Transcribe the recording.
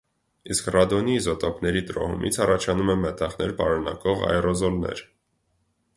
Իսկ ռադոնի իզոտոպների տրոհումից առաջանում են մետաղներ պարունակող աերոզոլներ։